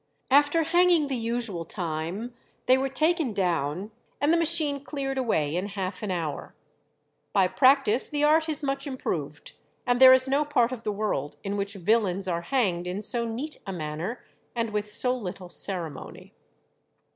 "After hanging the usual time they were taken down, and the machine cleared away in half an hour. By practice the art is much improved, and there is no part of the world in which villains are hanged in so neat a manner, and with so little ceremony."